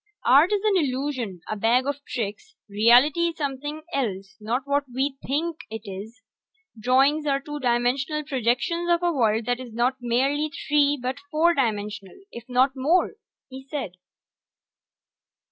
"Art is an illusion, a bag of tricks. Reality is something else, not what we think it is. Drawings are two dimensional projections of a world that is not merely three but four dimensional, if not more," he said.